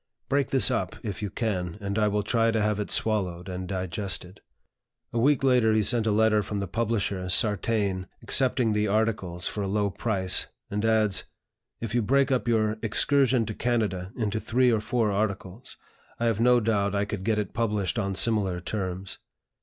Break this up, if you can, and I will try to have it swallowed and digested." A week later he sent a letter from the publisher, Sartain, accepting the articles for a low price, and adds: "If you break up your 'Excursion to Canada' into three or four articles, I have no doubt I could get it published on similar terms."